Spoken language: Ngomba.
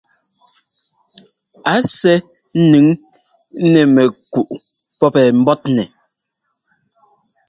A sɛ́ ńnʉŋ nɛ mɛkúꞌ pɔ́p mbɔ́tnɛ.